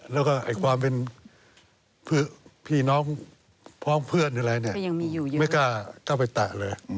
แล้วก็ความเป็นพี่น้องพร้อมเพื่อนอะไรเนี่ยไม่กล้าเข้าไปแตะเลย